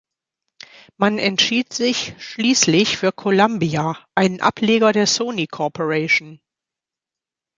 Man entschied sich schließlich für Columbia, einen Ableger der Sony-Corporation.